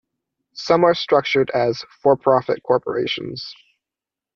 Some are structured as for-profit corporations.